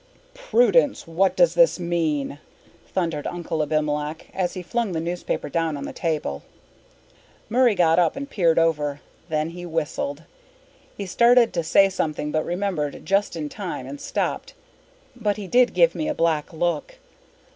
"Prudence, what does this mean?" thundered Uncle Abimelech, as he flung the newspaper down on the table. Murray got up and peered over. Then he whistled. He started to say something but remembered just in time and stopped. But he did give me a black look.